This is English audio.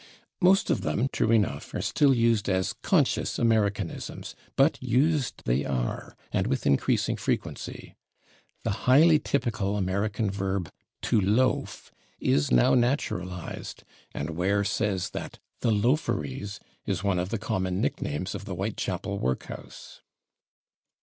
Most of them, true enough, [Pg136] are still used as conscious Americanisms, but used they are, and with increasing frequency. The highly typical American verb /to loaf/ is now naturalized, and Ware says that /The Loaferies/ is one of the common nicknames of the Whitechapel workhouse.